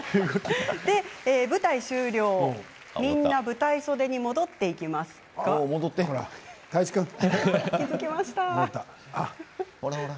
舞台終了、みんな舞台袖に戻っていきますが。